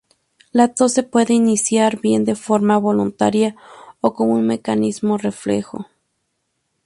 La tos se puede iniciar bien de forma voluntaria o como un mecanismo reflejo.